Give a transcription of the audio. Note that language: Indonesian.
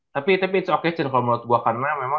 tapi tapi it s okey sih menurut gue karena memang